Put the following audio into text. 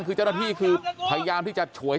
คือเจ้าหน้าที่คือพยายามที่จะฉวย